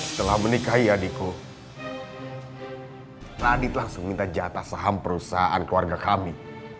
setelah menikahi adiko radit langsung minta jatah saham perusahaan keluarga kami